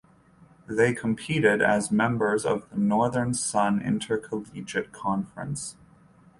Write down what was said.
They competed as members of the Northern Sun Intercollegiate Conference.